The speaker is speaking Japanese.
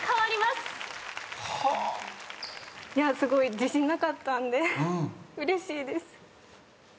すごい自信なかったんでうれしいです。